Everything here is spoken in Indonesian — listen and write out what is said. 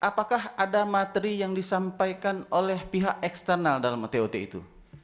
apakah ada materi yang disampaikan oleh pihak eksternal dalam otot itu